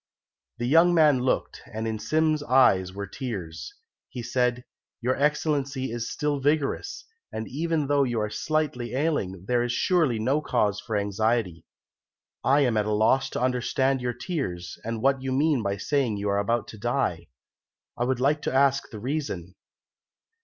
The young man looked, and in Sim's eyes were tears. He said, "Your Excellency is still vigorous, and even though you are slightly ailing, there is surely no cause for anxiety. I am at a loss to understand your tears, and what you mean by saying that you are about to die. I would like to ask the reason."